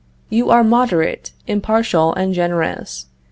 You are moderate, impartial, and generous.